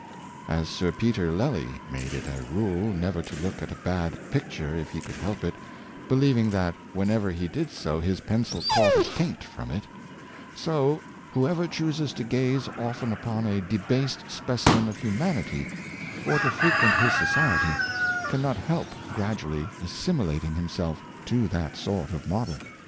As Sir Peter Lely made it a rule never to look at a bad picture if he could help it, believing that whenever he did so his pencil caught a taint from it, so, whoever chooses to gaze often upon a debased specimen of humanity and to frequent his society, can not help gradually assimilating himself to that sort of model.